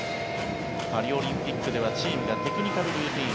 パリオリンピックではチームやテクニカルルーティン